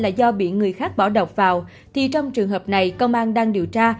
nếu có những người khác bỏ độc vào thì trong trường hợp này công an đang điều tra